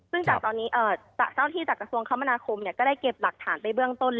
ซึ่งจากตอนนี้เจ้าที่จากกระทรวงคมนาคมก็ได้เก็บหลักฐานไปเบื้องต้น